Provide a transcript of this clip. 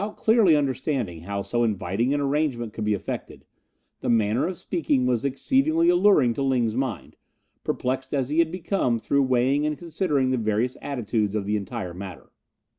Without clearly understanding how so inviting an arrangement could be effected, the manner of speaking was exceedingly alluring to Ling's mind, perplexed as he had become through weighing and considering the various attitudes of the entire matter.